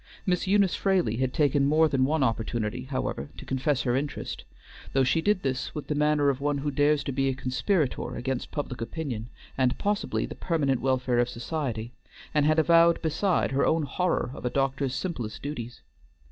Miss Eunice Fraley had taken more than one opportunity, however, to confess her interest, though she did this with the manner of one who dares to be a conspirator against public opinion, and possibly the permanent welfare of society, and had avowed, beside, her own horror of a doctor's simplest duties.